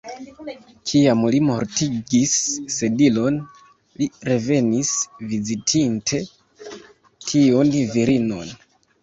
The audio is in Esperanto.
Kiam li mortigis Sedilon, li revenis, vizitinte tiun virinon.